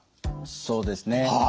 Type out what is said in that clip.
そうですね。